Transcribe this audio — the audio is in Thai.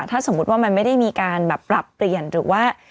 ถ้าสมมุติว่ามันไม่ได้มีการแบบปรับเปลี่ยนหรือว่า